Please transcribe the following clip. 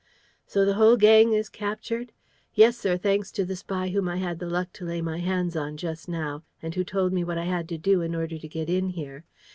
"So the whole gang is captured?" "Yes, sir, thanks to a spy whom I had the luck to lay my hands on just now and who told me what I had to do in order to get in here.